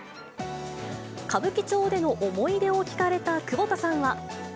歌舞伎町での思い出を聞かれた窪田さんは。